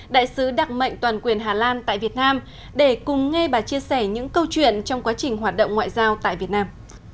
đại sứ đặc mệnh toàn quyền hà lan tại việt nam để cùng nghe bà chia sẻ những câu chuyện trong quá trình hoạt động ngoại giao tại việt nam